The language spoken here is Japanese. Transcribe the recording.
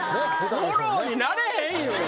フォローになれへん言うねん。